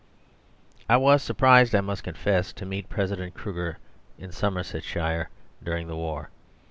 I was surprised, I must confess, to meet President Kruger in Somersetshire during the war.